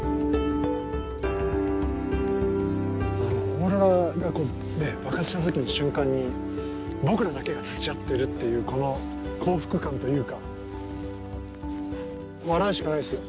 オーロラがこうね爆発した時の瞬間に僕らだけが立ち会ってるっていうこの幸福感というか笑うしかないですよ。